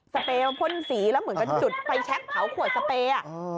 เปรยพ่นสีแล้วเหมือนกับจุดไฟแชคเผาขวดสเปรย์